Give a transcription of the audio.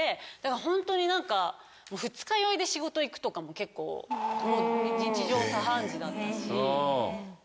ホントに何か二日酔いで仕事行くとかも結構日常茶飯事だったし。